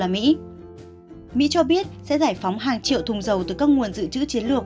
mỹ cho biết sẽ giải phóng hàng triệu thùng dầu từ các nguồn dự trữ chiến lược